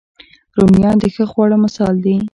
رومیان د ښه خواړه مثال دي